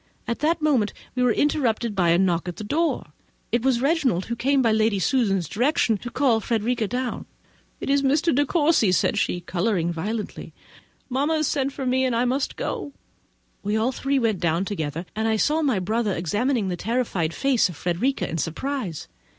At that moment we were interrupted by a knock at the door: it was Reginald, who came, by Lady Susan's direction, to call Frederica down. "It is Mr. De Courcy!" said she, colouring violently. "Mamma has sent for me; I must go." We all three went down together; and I saw my brother examining the terrified face of Frederica with surprize.